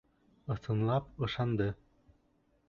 Ысынлап ышанды.